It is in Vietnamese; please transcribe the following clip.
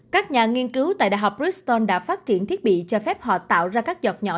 các nhà nghiên cứu tại đại học briston đã phát triển thiết bị cho phép họ tạo ra các giọt nhỏ